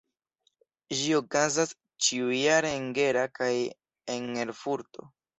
Ĝi okazas ĉiujare en Gera kaj en Erfurto.